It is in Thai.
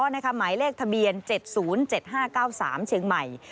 หมายเลขทะเบียน๗๐๗๕๙๓เชียงใหม่